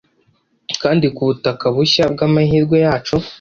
Kandi ku butaka bushya bw'amahirwe yacu